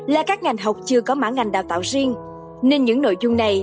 là các ngành học chưa có mã ngành đào tạo riêng nên những nội dung này